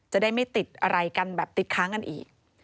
จะได้ไม่ติดอะไรกันแบบติดค้างกันอีก